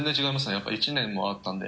やっぱ１年もあったんで。